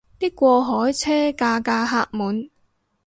啲過海車架架客滿